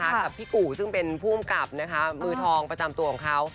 กับพี่กู่ซึ่งเป็นผู้อำกับนะคะมือทองประจำตัวของเขา